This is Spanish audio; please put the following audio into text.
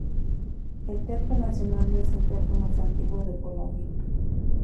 El Teatro nacional es el teatro más antiguo de Polonia.